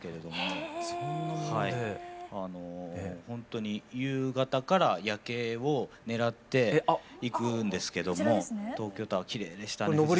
ほんとに夕方から夜景を狙っていくんですけども東京タワーきれいでしたね